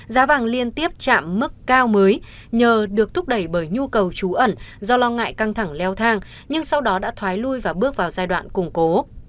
giá vàng liên tiếp chạm mức cao mới nhờ được thúc đẩy bởi nhu cầu trú ẩn do lo ngại căng thẳng leo thang nhưng sau đó đã thoái lui và bước vào giai đoạn củng cố